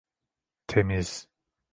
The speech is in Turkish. Temiz.